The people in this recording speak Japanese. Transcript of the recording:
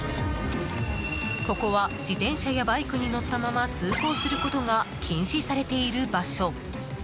ここは自転車やバイクに乗ったまま通行することが禁止されている場所。